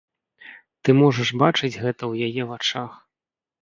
Ты можаш бачыць гэта ў яе вачах.